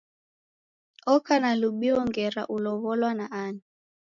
Oka na lubio ngera ulow'olwa na nani?